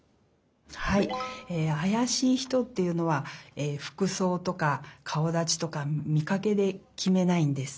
はいあやしい人っていうのはふくそうとかかおだちとかみかけできめないんです。